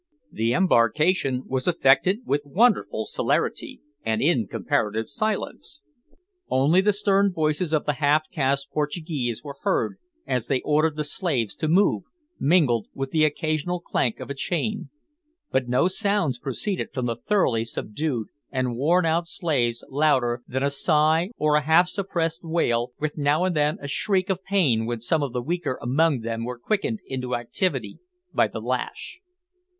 The embarkation was effected with wonderful celerity, and in comparative silence. Only the stern voices of the half caste Portuguese were heard as they ordered the slaves to move, mingled with the occasional clank of a chain, but no sounds proceeded from the thoroughly subdued and worn out slaves louder than a sigh or a half suppressed wail, with now and then a shriek of pain when some of the weaker among them were quickened into activity by the lash.